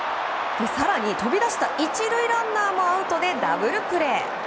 更に飛び出した１塁ランナーもアウトでダブルプレー！